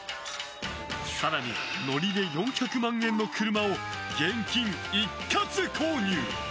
更に、ノリで４００万円の車を現金一括購入。